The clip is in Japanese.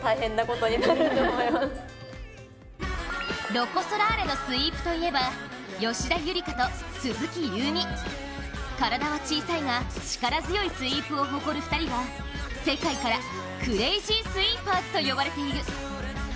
ロコ・ソラーレのスイープといえば吉田夕梨花と鈴木夕湖、体は小さいが力強いスイープを誇る２人は世界からクレイジースイーパーズと呼ばれている。